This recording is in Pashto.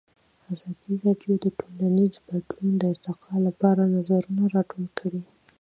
ازادي راډیو د ټولنیز بدلون د ارتقا لپاره نظرونه راټول کړي.